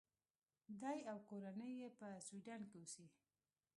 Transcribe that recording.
دی او کورنۍ یې په سویډن کې اوسي.